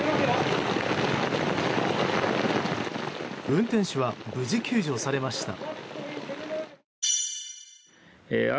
運転手は無事救助されました。